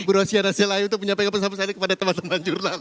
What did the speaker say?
bu rosyana selayu untuk menyampaikan pesan pesan ini kepada teman teman jurnal